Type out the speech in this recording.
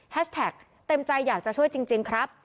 แท็กเต็มใจอยากจะช่วยจริงครับ